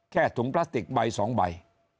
แค่ถุงพลาสติกใบ๒ใบ